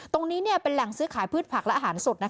ตรงนี้เนี่ยเป็นแห่งซื้อขายพืชผักและอาหารสดนะคะ